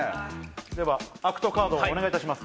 ではアクトカードをお願いいたします。